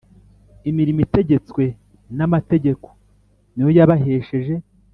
imirimo itegetswe n amategeko ni yo yabahesheje